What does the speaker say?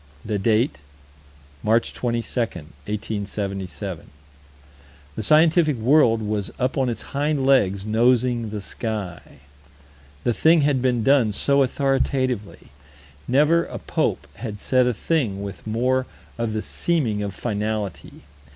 The date: March 22, 1877. The scientific world was up on its hind legs nosing the sky. The thing had been done so authoritatively. Never a pope had said a thing with more of the seeming of finality.